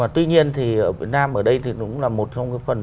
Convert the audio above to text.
tuy nhiên thì ở việt nam ở đây thì nó cũng là một trong những phần